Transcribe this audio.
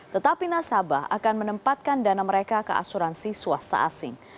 tetapi nasabah akan menempatkan dana mereka ke asuransi swasta asing